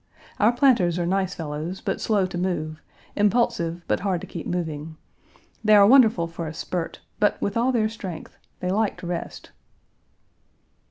Our planters are nice fellows, but slow to move; impulsive but hard to keep moving. They are wonderful for a spurt, but with all their strength, they like to rest.